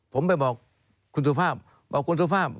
ผมไปบอกคุณสุภาพบอกคุณสุภาพ